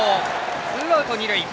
ツーアウト、二塁。